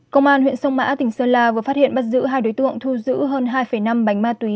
công an huyện sông mã tỉnh sơn la vừa phát hiện bắt giữ hai đối tượng thu giữ hơn hai năm bánh ma túy